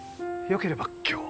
よければ今日。